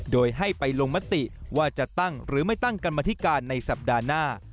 โดยให้ไปลงมติว่าจะตั้งหรือไม่ตั้งกรรมธิการในสัปดาห์หน้า